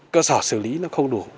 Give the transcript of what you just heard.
cơ sở xử lý nó không đủ